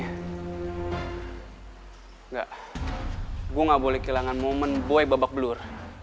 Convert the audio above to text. enggak gue gak boleh kehilangan momen boy babak belur